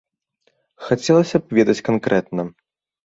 Хацелася б ведаць канкрэтна.